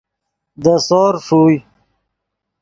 دے سور ݰوئے